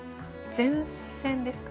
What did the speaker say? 前線ですか？